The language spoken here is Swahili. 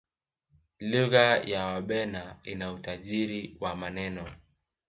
lugha ya wabena ina utajiri wa maneno